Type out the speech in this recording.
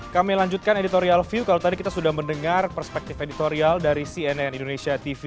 kami lanjutkan editorial view kalau tadi kita sudah mendengar perspektif editorial dari cnn indonesia tv